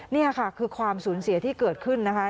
นี่ค่ะคือความสูญเสียที่เกิดขึ้นนะคะ